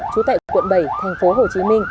chú tại quận bảy tp hcm